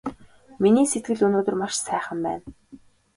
Миний сэтгэл өнөөдөр маш сайхан байна!